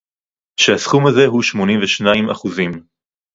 שהסכום הזה הוא שמונים ושניים אחוזים